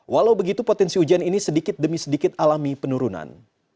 walau begitu potensi hujan ini sedikit demi sedikit alami penurunan